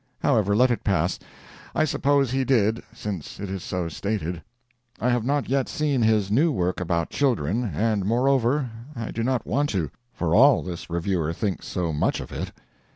However, let it pass—I suppose he did, since it is so stated. I have not yet seen his new work about children, and moreover, I do not want to, for all this reviewer thinks so much of it.